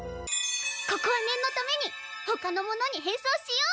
ここはねんのためにほかのものにへんそうしよう。